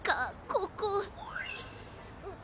ここ。